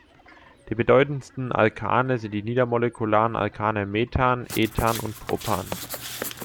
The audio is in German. Die bedeutendsten Alkane sind die niedermolekularen Alkane Methan, Ethan und Propan.